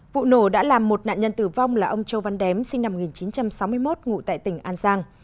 vụ nổ đã làm một nạn nhân tử vong là ông châu văn đém sinh năm một nghìn chín trăm sáu mươi một ngụ tại tỉnh an giang